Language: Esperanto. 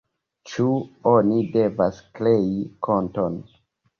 Ĉu oni devas krei konton?